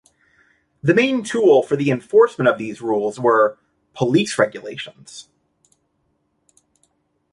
The main tool for the enforcement of these rules were "police-regulations".